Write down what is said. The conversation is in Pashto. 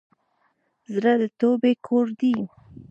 زړه د توبې کور دی.